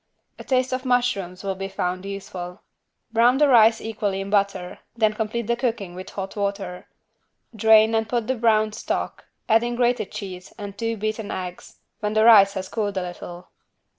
A taste of mushrooms will be found useful. Brown the rice equally in butter, then complete the cooking with hot water. Drain and put the brown stock, adding grated cheese and two beaten eggs, when the rice has cooled a little.